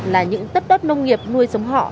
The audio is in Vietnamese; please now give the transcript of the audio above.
là những tất đất nông nghiệp nuôi sống họ